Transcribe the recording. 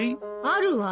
あるわ。